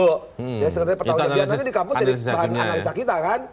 ya sebenarnya pertanyaannya di kampus jadi bahan analisa kita kan